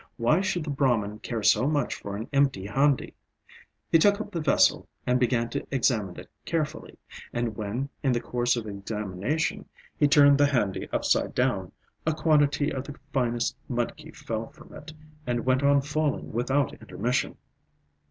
Why should the Brahman care so much for an empty handi? He took up the vessel, and began to examine it carefully; and when, in the course of examination, he turned the handi upside down, a quantity of the finest mudki fell from it, and went on falling without intermission.